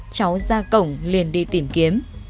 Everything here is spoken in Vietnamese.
cháu ra cổng liền đi tìm kiếm